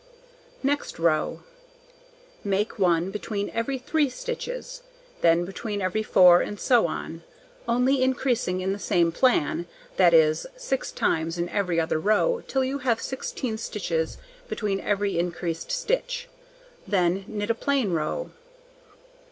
Next row: Make 1 between every 3 stitches, then between every 4, and so on, only increasing in the same plan, that is, 6 times in every other row, till you have 16 stitches between every increased stitch. Then knit a plain row.